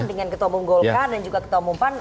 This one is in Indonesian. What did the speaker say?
dengan ketua umum golkar dan juga ketua umum pan